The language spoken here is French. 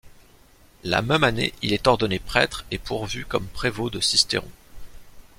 La même année il est ordonné prêtre et pourvu comme Prévôt de Sisteron.